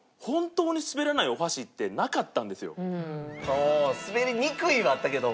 でもああ「滑りにくい」はあったけど？